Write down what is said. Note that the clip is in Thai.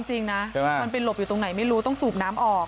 จริงนะมันไปหลบอยู่ตรงไหนไม่รู้ต้องสูบน้ำออก